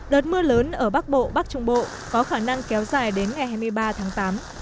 đợt mưa lớn ở bắc bộ bắc trung bộ có khả năng kéo dài đến ngày hai mươi ba tháng tám